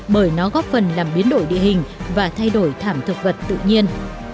bởi nó góp phần làm biến đổi địa hình và thay đổi thảm thực vật tự nhiên